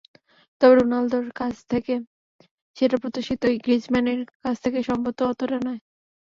তবে রোনালদোর কাছ থেকে সেটি প্রত্যাশিতই, গ্রিজমানের কাছ থেকে সম্ভবত অতটা নয়।